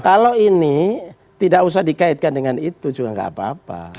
kalau ini tidak usah dikaitkan dengan itu juga nggak apa apa